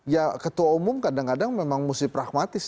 ya ketua umum kadang kadang memang mesti pragmatis